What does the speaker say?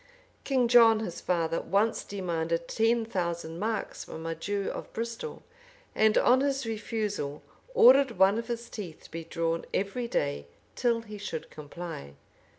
[*] King John, his father, once demanded ten thousand marks from a Jew of Bristol; and on his refusal, ordered one of his teeth to be drawn every day till he should comply.